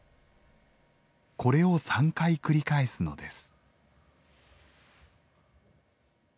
これを３回繰り返すのです。